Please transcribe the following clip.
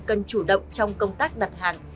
cần chủ động trong công tác đặt hàng